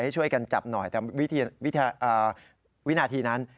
ช่วยกันจับหน่อยแต่วินาทีนั้น